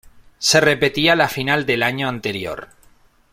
Se repetía la final del año anterior.